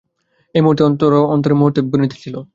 হৈম যে অন্তরে অন্তরে মুহূর্তে মুহূর্তে মরিতেছিল।